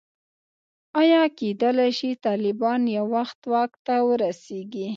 ایا کېدلای شي طالبان یو وخت واک ته ورسېږي.